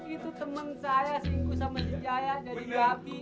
itu teman saya singgung sama sejaya jadi babi